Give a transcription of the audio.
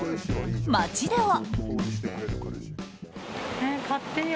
街では。